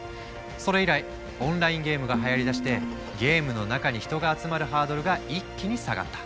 それ以来オンラインゲームがはやりだしてゲームの中に人が集まるハードルが一気に下がった。